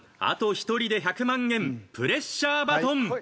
あと１人で１００万円プレッシャーバトン。